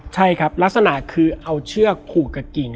ใช่ครับลักษณะคือเอาเชือกผูกกับกิ่ง